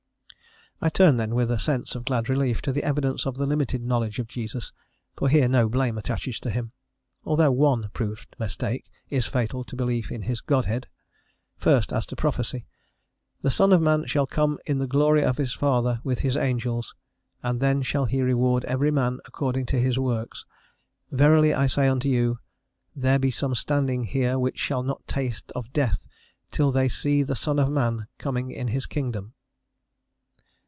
I turn then, with a sense of glad relief, to the evidence of the limited knowledge of Jesus, for here no blame attaches to him, although one proved mistake is fatal to belief in his Godhead. First as to prophecy: "The Son of man shall come in the glory of his Father with his angels: and then shall he reward every man according to his works. Verily I say unto you, There be some standing here which shall not taste of death till they see the Son of man coming in his kingdom."